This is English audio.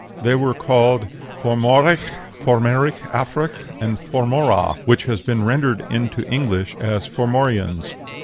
They were called Fomhoraicc, F'omoraig Afraic, and Formoragh, which has been rendered into English as Formorians.